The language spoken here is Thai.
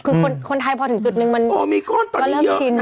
คือคนไทยพอถึงจุดหนึ่งมันเริ่มชิน